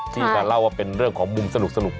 ที่มาเล่าว่าเป็นเรื่องของมุมสนุก